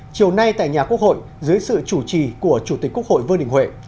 chiều nay tại nhà quốc hội dưới sự chủ trì của chủ tịch quốc hội vương đình huệ